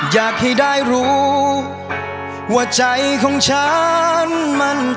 อยากให้ได้รู้ว่าใจของฉันมัน